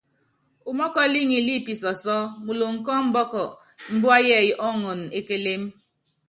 Mɔ́kɔl ŋilí i pisɔsɔ́ muloŋ kɔ ɔmbɔk, mbua yɛɛyɛ́ ɔɔŋɔn e kélém.